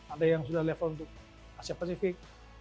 ada yang sudah level untuk asia pasifik